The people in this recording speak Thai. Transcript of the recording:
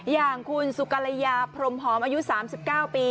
อย่างคุณสุกรยาพรมหอมอายุ๓๙ปี